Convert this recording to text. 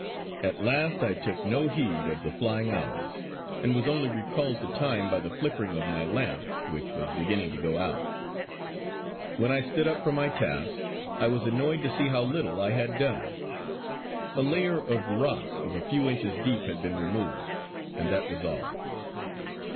At last I took no heed of the flying hours; and was only recalled to time by the flickering of my lamp, which was beginning to go out. When I stood up from my task, I was annoyed to see how little I had done. A layer of rock of a few inches deep had been removed; and that was all.